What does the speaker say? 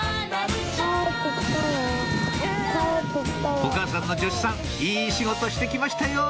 お母さんの助手さんいい仕事して来ましたよ